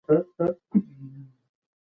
تاسو دا فایل په خپل موبایل کې ډاونلوډ کړئ.